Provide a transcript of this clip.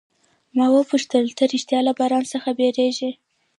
ما وپوښتل، ته ریښتیا له باران څخه بیریږې؟